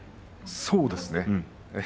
そうですね。